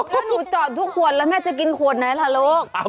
ถ้าหนูจอดทุกขวดแล้วแม่จะกินขวดไหนล่ะลูก